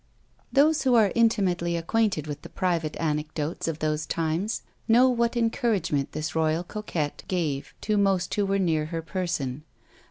Those who are intimately acquainted with the private anecdotes of those times, know what encouragement this royal coquette gave to most who were near her person.